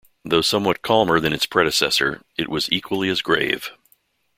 Though somewhat calmer than its predecessor, it was equally as grave.